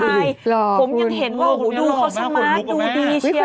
ผมยังเห็นว่าคุณดูเขาสมาร์ทดูดูไว้เชียว